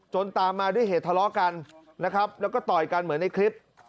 ตามมาด้วยเหตุทะเลาะกันนะครับแล้วก็ต่อยกันเหมือนในคลิป